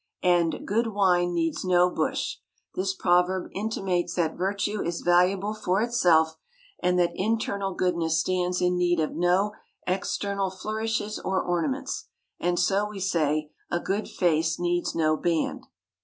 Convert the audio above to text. And "Good wine needs no bush." This proverb intimates that virtue is valuable for itself, and that internal goodness stands in need of no external flourishes or ornaments; and so we say "A good face needs no band."